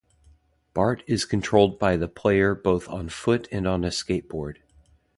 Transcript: Bart is controlled by the player both on foot and on a skateboard.